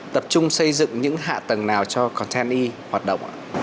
tập trung xây dựng những hạ tầng nào cho content e hoạt động